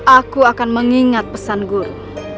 aku akan mengingat pesan guru